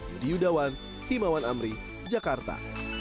yudi yudawan himawan amri jakarta